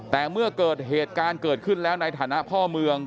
แต่เมื่อเกิดเหตุการณ์เกิดขึ้นแล้วในฐานะพ่อเมือง